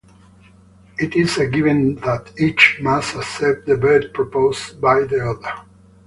It is a given that each must accept the bet proposed by the other.